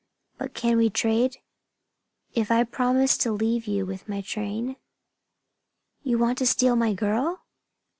But can we trade? If I promise to leave you with my train?" "You want to steal my girl!"